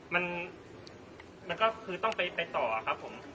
มันก็คือต้องไปต่อครับผม